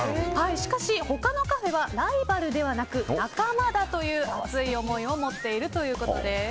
しかし、他のカフェはライバルではなく仲間だという熱い思いを持っているということです。